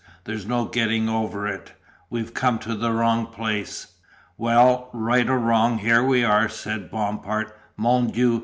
There's no getting over it. We've come to the wrong place." "Well, right or wrong, here we are," said Bompard "Mon Dieu!